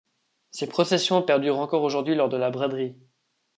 Ces processions perdurent encore aujourd’hui lors de la braderie.